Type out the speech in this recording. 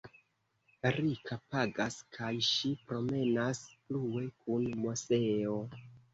Rika pagas kaj ŝi promenas plue kun Moseo.